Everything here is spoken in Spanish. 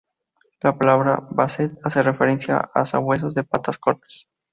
La palabra "Basset" hace referencia a sabuesos de patas cortas.